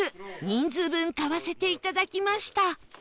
人数分買わせていただきました